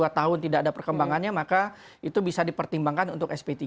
dua tahun tidak ada perkembangannya maka itu bisa dipertimbangkan untuk sp tiga